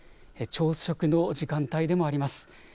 朝食の時間帯でもあります。